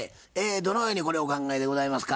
どのようにこれお考えでございますか？